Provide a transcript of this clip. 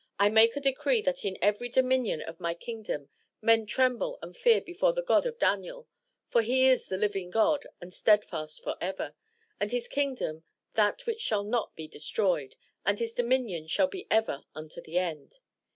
I make a decree, that in every dominion of my kingdom, men tremble and fear before the God of Daniel; for he is the living God, and steadfast forever, and his kingdom that which shall not be destroyed, and his dominion shall be even unto the end.